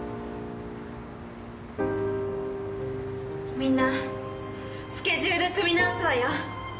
みんなスケジュール組み直すわよ